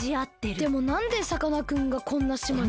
でもなんでさかなクンがこんな島に？